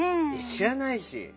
しらないし。